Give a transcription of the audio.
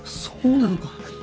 そうなのか。